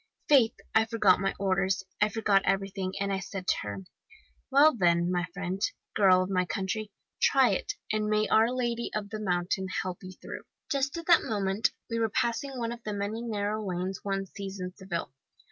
"Faith, I forgot my orders, I forgot everything, and I said to her, 'Well, then, my friend, girl of my country, try it, and may our Lady of the Mountain help you through.' "Just at that moment we were passing one of the many narrow lanes one sees in Seville.